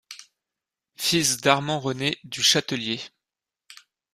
Fils d'Armand René du Châtellier.